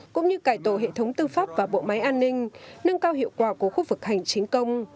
cũng như cải tổ hệ thống tư pháp và bộ máy an ninh nâng cao hiệu quả của khu vực hành chính công